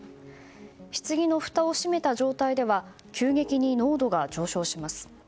棺のふたを閉めた状態では急激に濃度が上昇します。